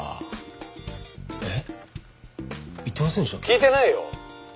「聞いてないよ！」